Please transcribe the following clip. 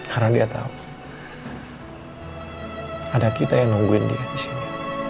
karena dia tahu ada kita yang nungguin dia di sini